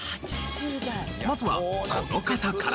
まずはこの方から。